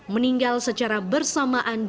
meninggal secara bersama sama